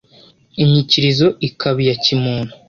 inyikilizo ikaba iya kimuntu